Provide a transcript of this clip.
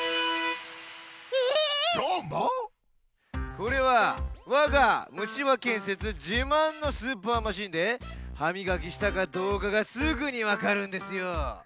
これはわがむしば建設じまんのスーパーマシンではみがきしたかどうかがすぐにわかるんですよ。